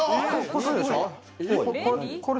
これ。